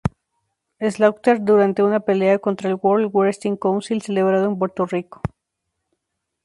Slaughter durante una pelea contra el World Wrestling Council celebrado en Puerto Rico.